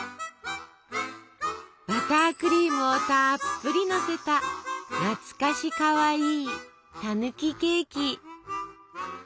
バタークリームをたっぷりのせた懐かしかわいい「たぬきケーキ」。